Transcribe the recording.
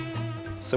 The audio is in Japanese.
そう。